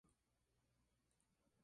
Él, marcado por el odio y la venganza.